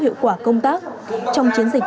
hiệu quả công tác trong chiến dịch